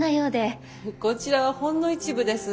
こちらはほんの一部です。